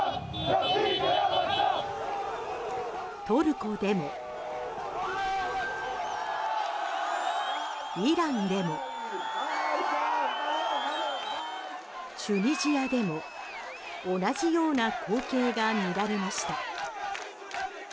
トルコでも、イランでもチュニジアでも同じような光景が見られました。